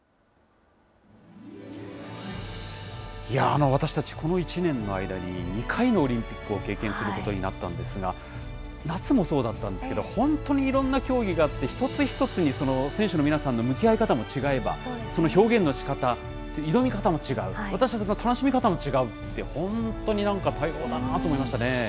いやー、私たち、この１年の間に２回のオリンピックを経験することになったんですが、夏もそうだったんですけど、本当にいろんな競技があって、一つ一つに選手の皆さんの向き合い方も違えば、その表現のしかた、挑み方も違う、私たちの楽しみ方も違うって、本当になんか、多様だなと思いましたね。